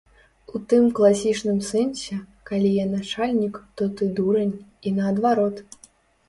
У тым класічным сэнсе, калі я начальнік, то ты дурань, і наадварот.